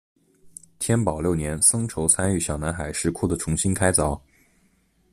天保六年僧稠参与小南海石窟的重新开凿。